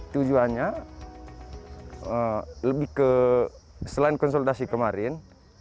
tujuannya selain konsultasi kemarin